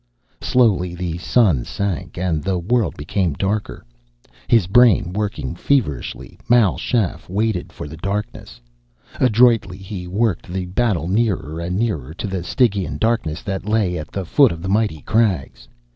Slowly the sun sank and the world became darker. His brain working feverishly, Mal Shaff waited for the darkness. Adroitly he worked the battle nearer and nearer to the Stygian darkness that lay at the foot of the mighty crags.